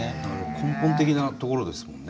根本的なところですもんね。